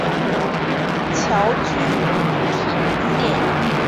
侨居玉田县。